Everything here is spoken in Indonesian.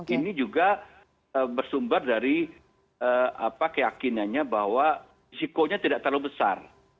ini juga bersumber dari keyakinannya bahwa risikonya tidak terlalu besar